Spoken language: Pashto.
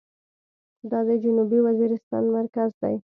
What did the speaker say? دا د جنوبي وزيرستان مرکز دى.